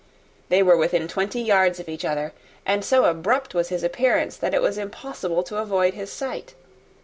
They were within twenty yards of each other; and so abrupt was his appearance, that it was impossible to avoid his sight.